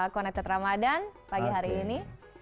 connected ramadan pagi hari ini